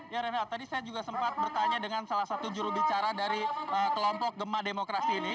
ya renhat tadi saya juga sempat bertanya dengan salah satu jurubicara dari kelompok gemah demokrasi ini